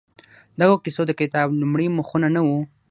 د دغو کیسو د کتاب لومړي مخونه نه وو؟